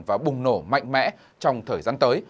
và bùng nổ mạnh mẽ trong thời gian tới